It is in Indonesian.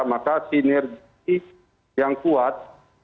maka sinergi yang kuat